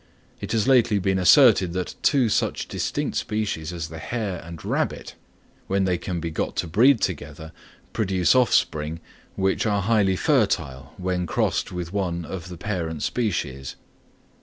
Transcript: It has lately been asserted that two such distinct species as the hare and rabbit, when they can be got to breed together, produce offspring, which are highly fertile when crossed with one of the parent species.